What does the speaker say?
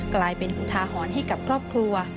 กลายเป็นอุทาหรณ์ให้กับครอบครัว